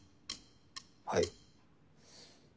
はい。